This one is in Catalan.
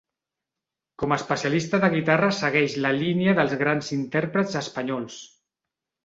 Com a especialista de guitarra segueix la línia dels grans intèrprets espanyols.